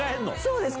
そうです。